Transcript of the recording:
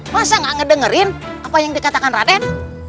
masa gak ngedengerin apa yang dikatakan raden